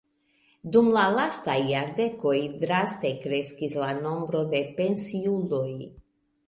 Dum la lastaj jardekoj draste kreskis la nombro de pensiuloj.